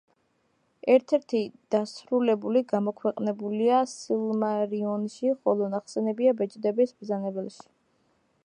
ერთ-ერთი დასრულებული გამოქვეყნებულია „სილმარილიონში“, ხოლო ნახსენებია „ბეჭდების მბრძანებელში“.